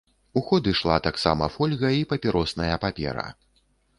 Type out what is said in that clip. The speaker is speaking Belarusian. У ход ішла таксама фольга і папіросная папера.